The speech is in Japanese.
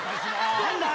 何だよ。